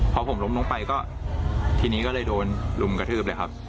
พอผมล้มลงไปก็ทีนี้ก็เลยโดนลุมกระทืบเลยครับ